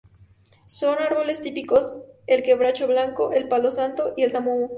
Son árboles típicos: el quebracho blanco, el palo santo y el samu’u.